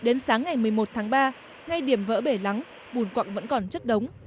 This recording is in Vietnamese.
đến sáng ngày một mươi một tháng ba ngay điểm vỡ bể lắng bùn quặng vẫn còn chất đống